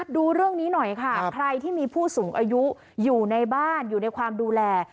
ดูเรื่องนี้หน่อยค่ะใครที่มีผู้สูงอายุอยู่ในบ้านอยู่ในความดูแล